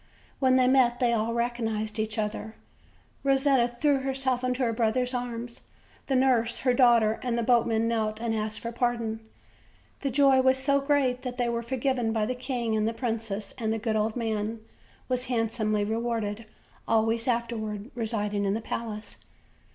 When they met, they all recognized each other; Rosetta threw her self into her brothers' arms: the nurse, her daughter and the boatman, knelt and asked for pardon. The joy was so great that they were forgiven by the king and the princess, and the good old man was handsomely rewarded, always afterward residing in the palace.